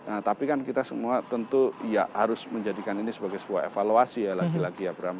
nah tapi kan kita semua tentu ya harus menjadikan ini sebagai sebuah evaluasi ya lagi lagi ya bram